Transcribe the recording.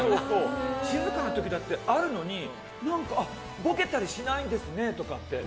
静かな時だってあるのにボケたりしないんですねって。